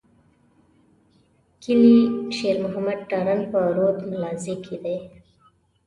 کلي شېر محمد تارڼ په رود ملازۍ کي دی.